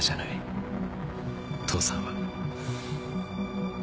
父さんは。